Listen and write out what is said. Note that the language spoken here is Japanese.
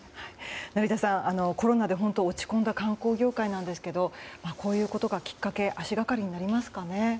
成田さん、コロナで落ち込んだ観光業界ですけどこういうことがきっかけ足がかりになりますかね。